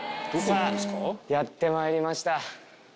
さぁやってまいりました。